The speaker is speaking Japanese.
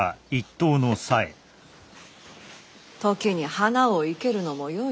時に花を生けるのもよいのう。